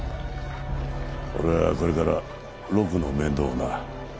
俺はこれから六の面倒をな。